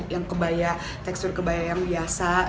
yang kebaya tekstur kebaya yang biasa